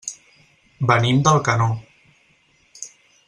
Venim d'Alcanó.